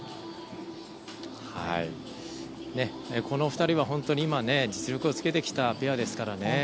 この２人は本当に今実力をつけてきたペアですからね。